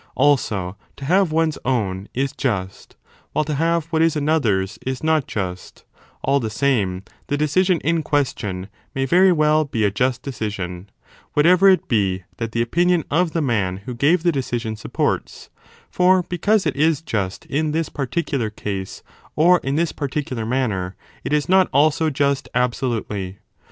Also, to have one s own is just, while to have what is another s is not just: all the same, the decision in question may very well be a just decision, what ever it be that the opinion of the man who gave the decision supports : for because it is just in this particular case or in this particular manner, it is not also just absolutely.